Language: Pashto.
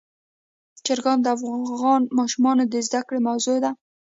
چرګان د افغان ماشومانو د زده کړې موضوع ده.